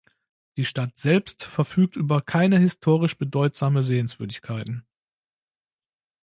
Die Stadt selbst verfügt über keine historisch bedeutsame Sehenswürdigkeiten.